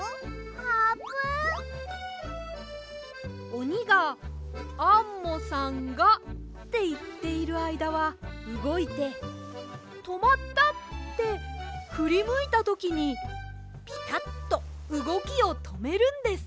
おにが「アンモさんが」っていっているあいだはうごいて「とまった」ってふりむいたときにピタッとうごきをとめるんです。